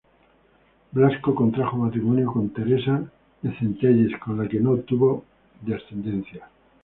Blasco contrajo matrimonio con Teresa de Centelles, con la que no tuvo descendencia.